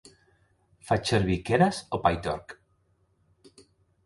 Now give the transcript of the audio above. Faig servir Keras o Pytorch?